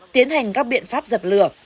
tiến hành các biện pháp dập lửa